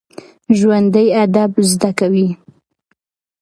ژوندي ادب زده کوي